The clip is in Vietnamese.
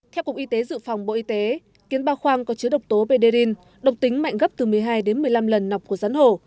theo cục y tế dự phòng bộ y tế kiến ba khoang có chứa độc tố pederin độc tính mạnh gấp từ một mươi hai đến một mươi năm lần nọc của rắn hồ